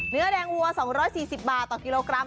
เนื้อแดงวัว๒๔๐บาทต่อกิโลกรัม